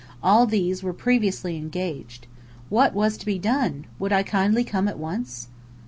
All these were previously engaged. What was to be done? Would I kindly come at once?